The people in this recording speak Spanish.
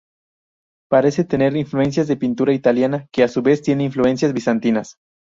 Parece tener influencias de la pintura italiana que a su vez tiene influencias bizantinas.